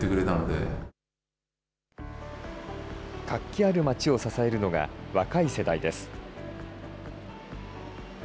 活気ある街を支えるのが若い世代です。